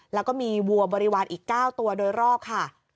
แล้วก็มีวัวบริวารอีก๙ตัวโดยรอบค่ะ